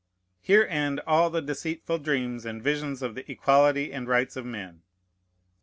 Here end all the deceitful dreams and visions of the equality and rights of men.